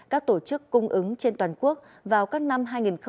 các tổ chức cung ứng trên toàn quốc vào các năm hai nghìn hai mươi hai hai nghìn hai mươi ba